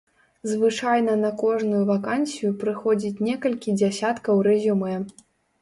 Звычайна на кожную вакансію прыходзіць некалькі дзясяткаў рэзюмэ.